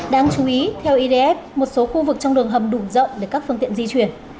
đáng chú ý theo idf một số khu vực trong đường hầm đủ rộng để các phương tiện di chuyển